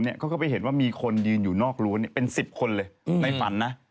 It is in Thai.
เขาก็ไปเห็นว่ามีคนยืนอยู่นอกรั้วเป็น๑๐คนเลยในฝันนะ